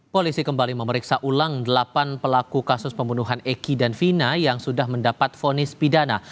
polisi kembali memeriksa ulang delapan pelaku kasus pembunuhan eki dan vina yang sudah mendapat vonis pidana